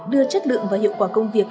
đưa chất lượng và hiệu quả công việc